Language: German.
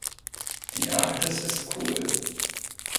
Die Arktis ist "cool".